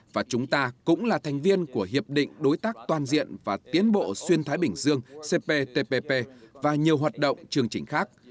và chúng ta cũng là thành viên của hiệp định đối tác toàn diện và tiến bộ xuyên thái bình dương cptpp và nhiều hoạt động chương trình khác